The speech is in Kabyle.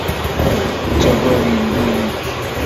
Ttagad Illu-ik.